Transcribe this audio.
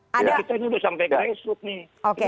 kita ini sudah sampai ke resrute nih